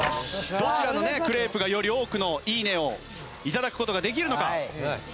どちらのクレープがより多くのいいねを頂く事ができるのか？